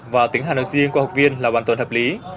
và tiếng hàn ở riêng của học viên là hoàn toàn hợp lý